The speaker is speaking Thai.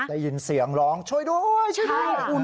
ได้ยินเสียงร้องช่วยด้วยช่วยด้วย